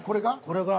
これが？